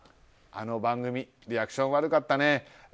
あの番組、リアクション悪かったね。